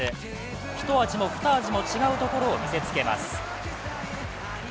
ひと味もふた味も違うところを見せつけます。